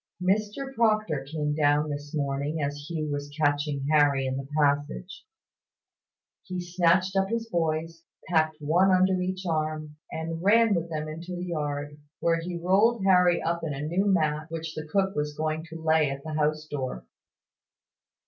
Mr Proctor came down this morning as Hugh was catching Harry in the passage. He snatched up his boys, packed one under each arm, and ran with them into the yard, where he rolled Harry up in a new mat, which the cook was going to lay at the house door.